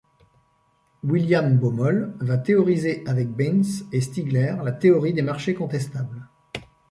William Baumol va théoriser avec Baynes, et Stigler la théorie des marchés contestables.